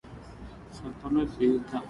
సతుల Sita